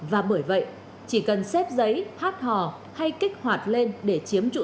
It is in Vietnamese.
và bởi vậy chỉ cần xếp giấy phát hò hay kích hoạt lên để chiếm trụ sở